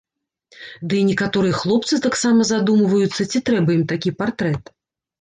Ды і некаторыя хлопцы таксама задумваюцца ці трэба ім такі партрэт.